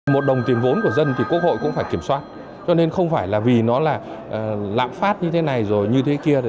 một đồng tiền vốn của dân thì quốc hội cũng phải kiểm soát cho nên không phải là vì nó là lạm phát như thế này rồi như thế kia